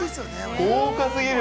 豪華すぎる！